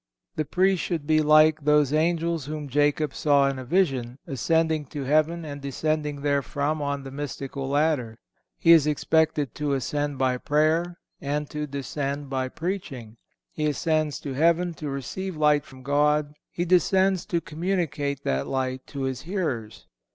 The Priest should be like those angels whom Jacob saw in a vision, ascending to heaven and descending therefrom on the mystical ladder. He is expected to ascend by prayer and to descend by preaching. He ascends to heaven to receive light from God; he descends to communicate that light to his hearers.